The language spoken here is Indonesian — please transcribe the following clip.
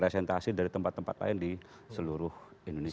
presentasi dari tempat tempat lain di seluruh indonesia